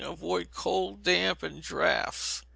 Avoid cold, damp, and draughts.